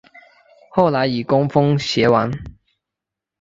后来以功封偕王。